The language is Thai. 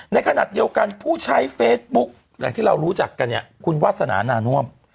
ในขณะเดียวกันผู้ใช้เฟซบุ๊คที่เรารู้จักกันคุณวัฒนานานว่าม